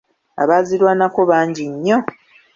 Abaazirwanako bangi nnyo.